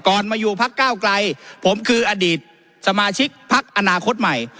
ก่อนมาอยู่ภักดิ์ก้าวกลายผมคืออดีตสมาชิกภักดิ์อนาคตใหม่